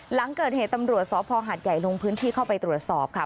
หลังเกิดเหตุตำรวจสภหัดใหญ่ลงพื้นที่เข้าไปตรวจสอบค่ะ